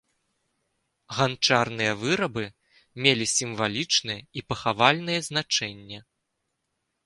Ганчарныя вырабы мелі сімвалічнае і пахавальнае значэнне.